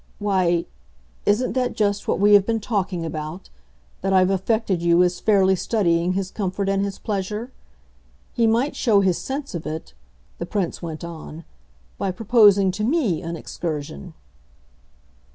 "Why, isn't that just what we have been talking about that I've affected you as fairly studying his comfort and his pleasure? He might show his sense of it," the Prince went on, "by proposing to ME an excursion."